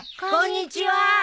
こんにちは。